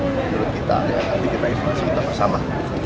menurut kita nanti kita eksplosif sama sama